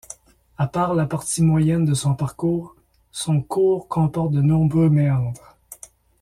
À part la partie moyenne de son parcours, son cours comporte de nombreux méandres.